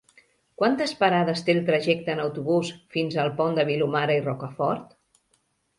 Quantes parades té el trajecte en autobús fins al Pont de Vilomara i Rocafort?